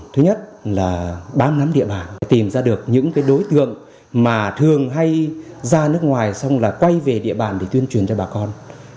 thứ nhất là bám nắm địa bàn tìm ra được những đối tượng mà thường hay ra nước ngoài xong là quay về địa bàn để tuyên truyền cho bà con